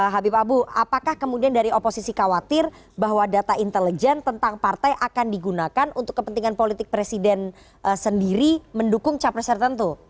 habib abu apakah kemudian dari oposisi khawatir bahwa data intelijen tentang partai akan digunakan untuk kepentingan politik presiden sendiri mendukung capres tertentu